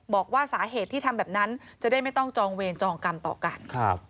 บอกว่าสาเหตุที่ทำแบบนั้นจะได้ไม่ต้องจองเวรจองกรรมต่อกัน